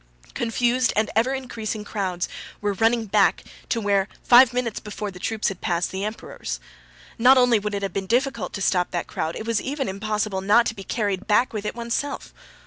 Confused and ever increasing crowds were running back to where five minutes before the troops had passed the Emperors. Not only would it have been difficult to stop that crowd, it was even impossible not to be carried back with it oneself.